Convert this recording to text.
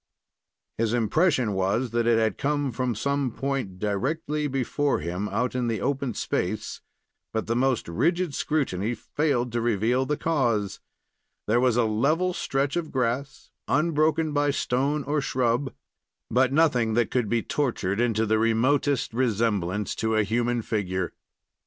His impression was that it came from some point directly before him out on the open space; but the most rigid scrutiny failed to reveal the cause. There was the level stretch of grass, unbroken by stone or shrub, but nothing that could be tortured into the remotest resemblance to a human figure.